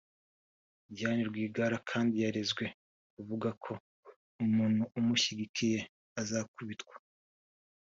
Diane Rwigara kandi yarezwe kuvuga ko umuntu umushyigikiye azakubitwa